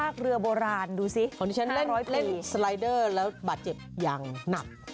ของอีมีเรื่องแบบซากเรือโบราณดูซิ